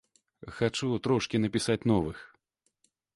Хачу трошкі напісаць новых.